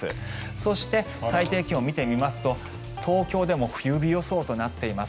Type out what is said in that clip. そして、最低気温を見てみますと東京でも冬日予想となっています。